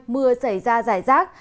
mưa xảy ra rải rác